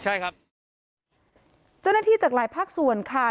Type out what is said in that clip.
ใช่ครับเจ้าหน้าที่จากหลายภาคส่วนค่ะ